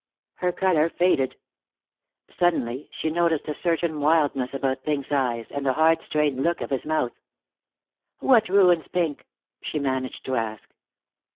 Her color faded. Suddenly she noticed a certain wildness about Pink's eyes, and the hard strained look of his mouth. "What ruins, Pink?" she managed to ask.